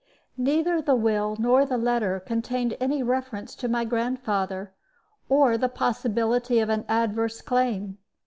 Neither the will nor the letter contained any reference to my grandfather, or the possibility of an adverse claim.